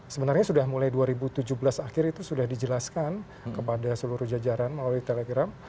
sebenarnya sudah mulai dua ribu tujuh belas akhir itu sudah dijelaskan kepada seluruh jajaran melalui telegram